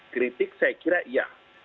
kritik saya kira ya